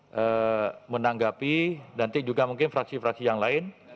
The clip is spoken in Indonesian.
saya menanggapi nanti juga mungkin fraksi fraksi yang lain